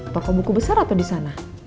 toko buku besar apa di sana